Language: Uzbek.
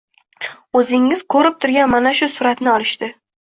Oʻzingiz kurib turgan mana shu suratni olishdi